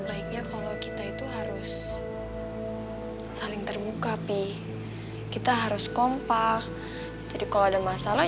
baiknya kalau kita itu harus saling terbuka sih kita harus kompak jadi kalau ada masalah